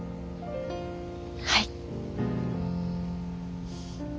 はい。